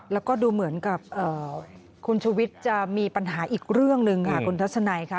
แล้วก็ดูเหมือนกับคุณชุวิตจะมีปัญหาอีกเรื่องหนึ่งค่ะคุณทัศนัยค่ะ